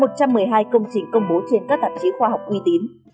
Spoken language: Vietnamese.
một trăm một mươi hai công trình công bố trên các tạp chí khoa học uy tín